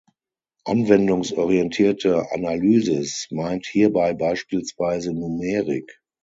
Anwendungsorientierte Analysis meint hierbei beispielsweise Numerik.